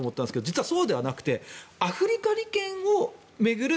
実はそうではなくてアフリカ利権を巡る